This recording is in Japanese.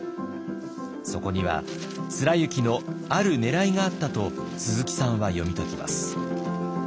そこには貫之のあるねらいがあったと鈴木さんは読み解きます。